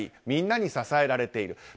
みんなに支えられている。